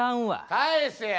返せや。